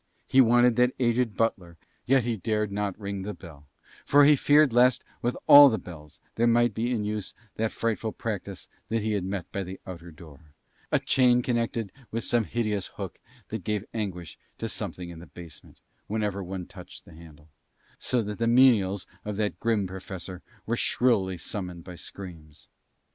He wanted that aged butler, yet dare not ring the bell; for he feared lest with all the bells there might be in use that frightful practice that he had met by the outer door, a chain connected with some hideous hook that gave anguish to something in the basement whenever one touched the handle, so that the menials of that grim Professor were shrilly summoned by screams.